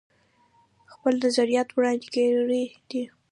خپل نظريات وړاندې کړي دي